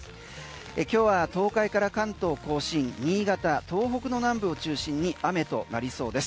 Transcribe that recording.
今日は東海から関東・甲信新潟、東北の南部を中心に雨となりそうです。